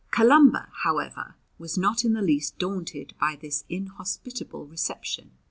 Columba, however, was not in the least daunted by this inhospitable reception.